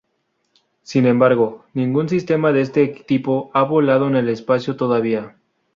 Sin embargo, ningún sistema de este tipo ha volado en el espacio todavía.